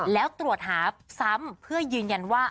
แล้วตรวจหาซ้ำเพื่อยืนยันว่า